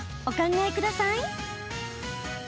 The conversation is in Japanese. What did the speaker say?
お考えください。